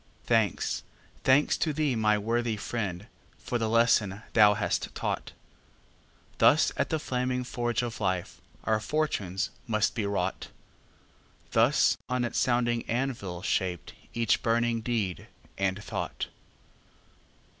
Thanks, thanks to thee, my worthy friend, For the lesson thou hast taught! Thus at the flaming forge of life Our fortunes must be wrought; Thus on its sounding anvil shaped Each burning deed and thought.